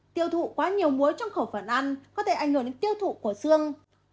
tiêu thụ quá nhiều muối trong khẩu phần ăn có thể ảnh hưởng đến tiêu thụ của xương